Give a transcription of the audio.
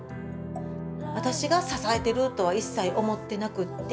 私が支えているとは一切思ってなくって。